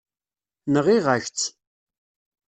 Nɣiɣ-ak-tt.